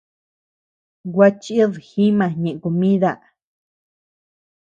Gua chid jima ñeʼe komida.